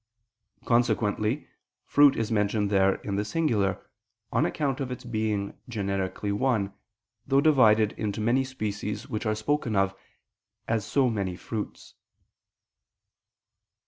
Consequently fruit is mentioned there in the singular, on account of its being generically one, though divided into many species which are spoken of as so many fruits.